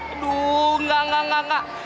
aduh gak gak gak gak